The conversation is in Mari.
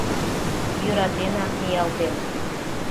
Йӧратенак ниялтем.